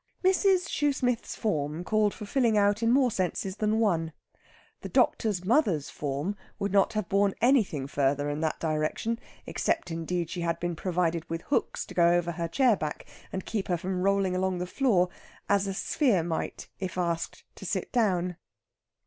Mrs. Shoosmith's form called for filling out in more senses than one. The doctor's mother's form would not have borne anything further in that direction; except, indeed, she had been provided with hooks to go over her chair back, and keep her from rolling along the floor, as a sphere might if asked to sit down.